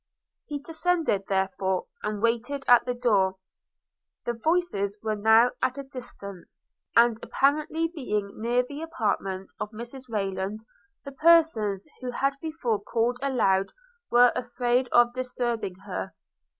He descended therefore, and waited at the door. The voices were now at a distance; and apparently being near the apartment of Mrs Rayland, the persons who had before called aloud were afraid of disturbing her.